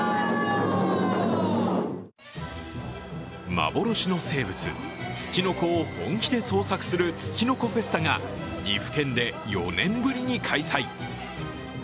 幻の生物、つちのこを本気で捜索するつちのこフェスタが岐阜県で４年ぶりに開催。